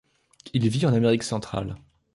Il vit en Amérique centrale.